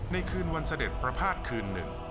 คืนวันเสด็จประพาทคืน๑